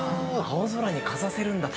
◆青空にかざせるんだ。